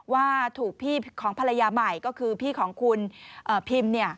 ว่าถูกพี่ของภรรยาใหม่ก็คือพี่ของคุณพิม